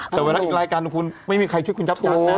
แต่เวลาอีกรายการของคุณไม่มีใครช่วยคุณจับการนะ